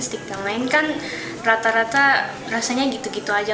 stik yang main kan rata rata rasanya gitu gitu aja